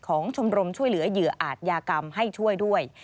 ชมรมช่วยเหลือเหยื่ออาจยากรรมให้ช่วยด้วย